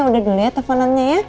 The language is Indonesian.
udah dulu ya telfonannya ya